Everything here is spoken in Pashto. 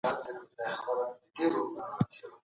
منلي دلایل ستاسو خبره ثابتوي.